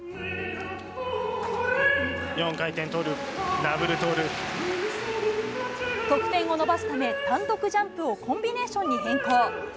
４回転トーループ、ダブルト得点を伸ばすため、単独ジャンプをコンビネーションに変更。